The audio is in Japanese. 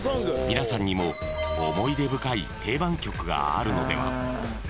［皆さんにも思い出深い定番曲があるのでは？］